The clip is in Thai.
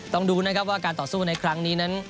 ต้องดูนะครับว่าการต่อสู้ในครั้งนี้นั้น